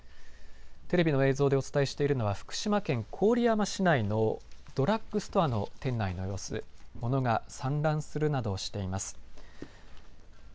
テレビの映像でお伝えしているのは福島県郡山市内のドラッグストアの店内の様子、物が散乱するなどしています。